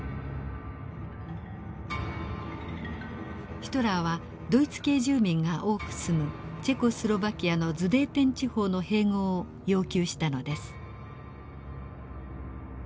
ヒトラーはドイツ系住民が多く住むチェコスロバキアのズデーテン地方の併合を要求したのです。